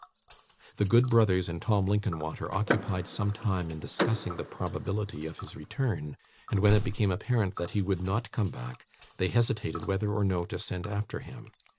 The good brothers and Tim Linkinwater occupied some time in discussing the probability of his return; and, when it became apparent that he would not come back, they hesitated whether or no to send after him.